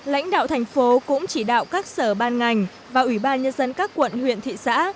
lãnh đạo thành phố cũng chỉ đạo các sở ban ngành và ủy ban nhân dân các quận huyện thị xã